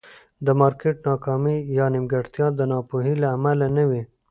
د مارکېټ ناکامي یا نیمګړتیا د ناپوهۍ له امله نه وي.